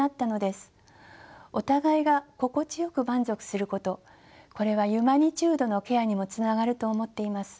お互いが心地よく満足することこれはユマニチュードのケアにもつながると思っています。